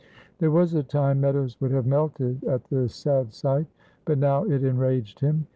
There was a time Meadows would have melted at this sad sight, but now it enraged him.